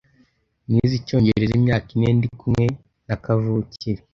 nize icyongereza imyaka ine ndi kumwe na kavukire